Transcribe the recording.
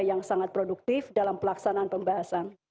yang sangat produktif dalam pelaksanaan pembahasan